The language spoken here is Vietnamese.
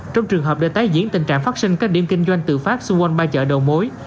trong trường hợp để tái diễn tình trạng phát sinh các điểm kinh doanh tự phát xung quanh ba chợ đầu mối